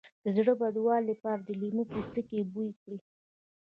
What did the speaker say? د زړه بدوالي لپاره د لیمو پوستکی بوی کړئ